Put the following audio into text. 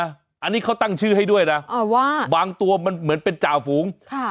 อันนี้เขาตั้งชื่อให้ด้วยนะว่าบางตัวมันเหมือนเป็นจ่าฝูงค่ะ